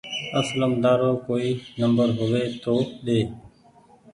اصليم تآرو ڪوئي نمبر هووي تو ۮي